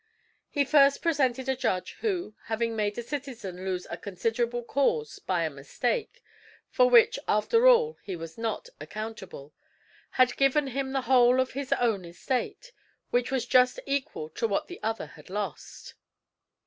He first presented a judge who, having made a citizen lose a considerable cause by a mistake, for which, after all, he was not accountable, had given him the whole of his own estate, which was just equal to what the other had lost.